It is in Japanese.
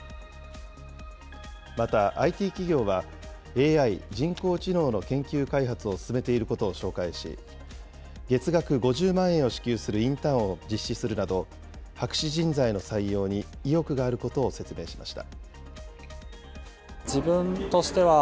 また、ＩＴ企業はＡＩ・人工知能の研究開発を進めていることを紹介し、月額５０万円を支給するインターンを実施するなど、博士人材の採用に意欲があることを説明しました。